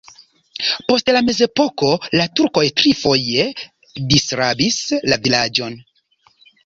Post la mezepoko la turkoj trifoje disrabis la vilaĝon.